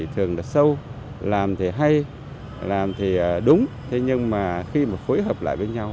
thường là sâu làm thì hay làm thì đúng thế nhưng mà khi mà phối hợp lại với nhau